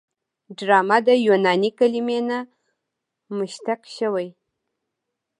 ډرامه د یوناني کلمې نه مشتق شوې.